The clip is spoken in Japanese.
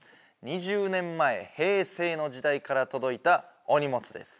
２０年前平成の時代から届いたお荷物です。